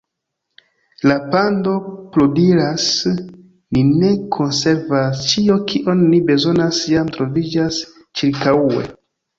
La pando pludiras: "Ni ne konservas. Ĉio, kion ni bezonas jam troviĝas ĉirkaŭe."